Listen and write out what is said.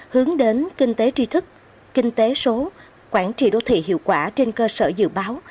hướng đến kinh tế tri thức kinh tế số quản trị đô thị hiệu quả trên cơ sở dự báo